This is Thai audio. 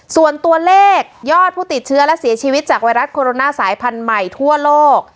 ส่วนตัวเลขยอดผู้ติดเชื้อและเสียชีวิตจากไวรัสโคโรนาสายพันธุ์ใหม่ทั่วโลก